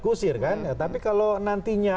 kusir kan tapi kalau nantinya